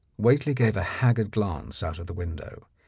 Whately gave a haggard glance out of the win dow.